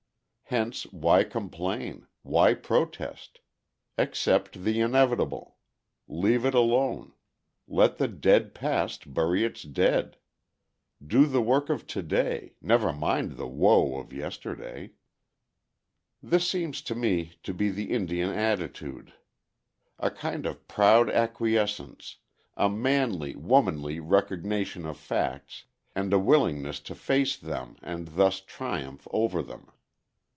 Hence why complain, why protest. Accept the inevitable. Leave it alone. Let the dead past bury its dead. Do the work of to day; never mind the woe of yesterday. This seems to me to be the Indian attitude. A kind of proud acquiescence, a manly, womanly recognition of facts, and a willingness to face them and thus triumph over them.